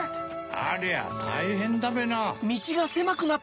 ありゃたいへんだべな。